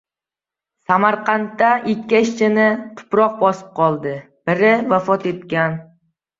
Samarqandda ikki ishchini tuproq bosib qoldi, biri vafot etgan